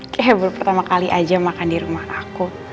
kayak baru pertama kali aja makan di rumah aku